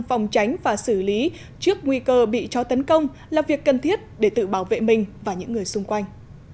phòng tránh và xử lý trước nguy cơ bị cho tấn công là việc cần thiết để tự bảo vệ mình và những người xung quanh